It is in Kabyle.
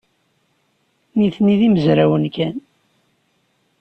Nitni d imezrawen kan.